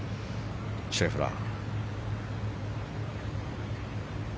シェフラー。